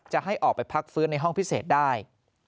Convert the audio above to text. จะให้ออกไปพักฟื้นในห้องพิเศษได้